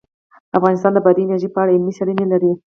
افغانستان د بادي انرژي په اړه علمي څېړنې لري.